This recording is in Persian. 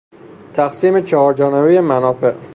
تقسیم چهارجانبهی منافع